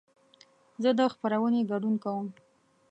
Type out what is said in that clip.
زه د خپرونې ګډون کوم.